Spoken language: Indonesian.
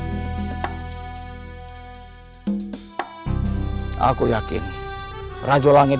rajo langit akan menemukan rajo langit